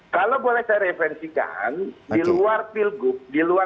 kalau boleh saya referensikan di luar level gubernur